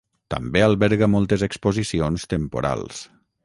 També alberga moltes exposicions temporals.